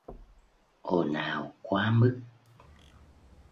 Ồn ào quá mức